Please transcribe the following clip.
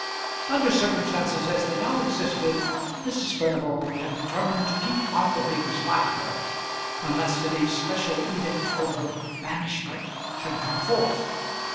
Under circumstances as they now existed Mrs. Furnival had determined to keep Martha Biggs by her, unless any special edict for her banishment should come forth.